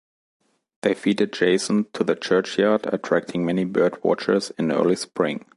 They feed adjacent to the churchyard, attracting many bird watchers in early spring.